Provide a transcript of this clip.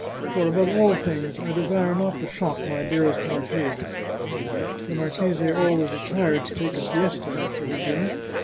For, above all things, I desire not to shock my dearest marchese." The marchese always retired to take a siesta after his din ner.